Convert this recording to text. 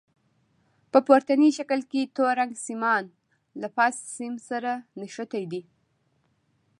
په پورتني شکل کې تور رنګ سیمان له فاز سیم سره نښتي دي.